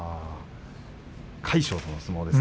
魁勝との一番です。